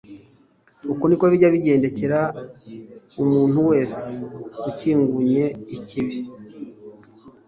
Uko niko bijya bigendekera umuntu wese ukingunye ikibi,